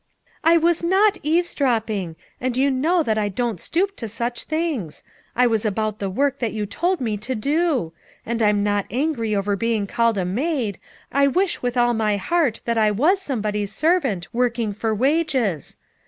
"I was not eavesdropping, and you know that 116 FOUR MOTHERS AT CHAUTAUQUA I don't stoop to such things; I was about the work that you told me to do ; and I'm not angry over being called a maid; I wish with all my heart that I was somebody's servant working for wages.